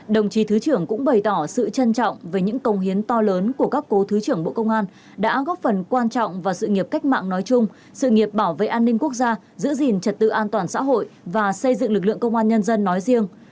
đồng chí thứ trưởng cũng bày tỏ sự trân trọng về những công hiến to lớn của các cố thứ trưởng bộ công an đã góp phần quan trọng vào sự nghiệp cách mạng nói chung sự nghiệp bảo vệ an ninh quốc gia giữ gìn trật tự an toàn xã hội và xây dựng lực lượng công an nhân dân nói riêng